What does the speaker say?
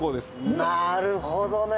なるほどね。